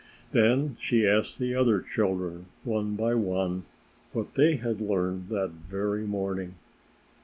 Then she asked the other children, one by one, what they had learned that very morning.